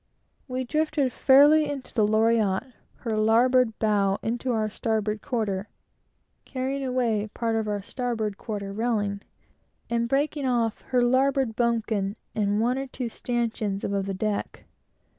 We drifted fairly into the Loriotte, her larboard bow into our starboard quarter, carrying away a part of our starboard quarter railing, and breaking off her larboard bumpkin, and one or two stanchions above the deck.